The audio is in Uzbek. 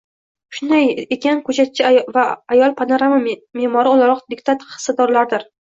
shunday ekan, ko‘katchi va ayol panorama me’mori o‘laroq diktat hissadorlaridir.